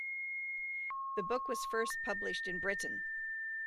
The book was first published in Britain.